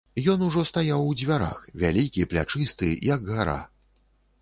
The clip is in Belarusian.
Ён ужо стаяў у дзвярах, вялікі, плячысты, як гара.